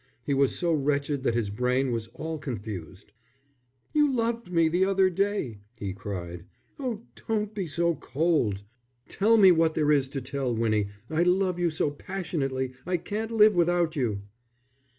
He was so wretched that his brain was all confused. "You loved me the other day," he cried. "Oh, don't be so cold. Tell me what there is to tell, Winnie. I love you so passionately. I can't live without you."